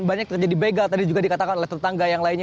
banyak terjadi begal tadi juga dikatakan oleh tetangga yang lainnya